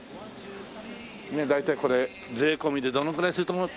大体これ税込でどのくらいすると思う？